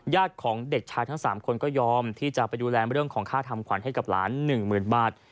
ของเด็กชายทั้ง๓คนก็ยอมที่จะไปดูแลเรื่องของค่าทำขวัญให้กับหลาน๑๐๐๐บาท